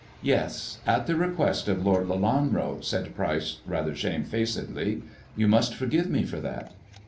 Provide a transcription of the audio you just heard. "Yes; at the request of Lord Lelanro," said Pryce rather shamefacedly. " You must forgive me for that."